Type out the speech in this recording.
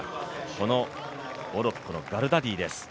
このモロッコのガルダディです。